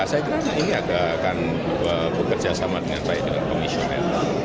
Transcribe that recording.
saya kira ini akan bekerja sama dengan baik dengan komisioner